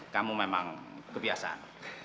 kamu memang kebiasaan